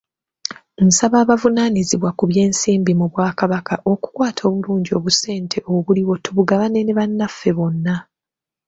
Nsaba abavunaanyizibwa ku by'ensimbi mu Bwakabaka okukwata obulungi obusente obuliwo tubugabane ne bannaffe bonna.